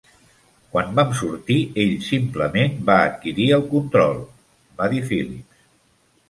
"Quan vam sortir, ell simplement va adquirir el control", va dir Phillips.